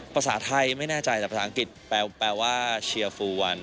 ภาษาไทยไม่แน่ใจแต่ภาษาอังกฤษแปลว่าเชียร์ฟูวัน